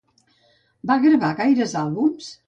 Va gravar gaires àlbums?